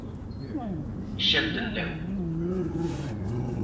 Xa entendeu.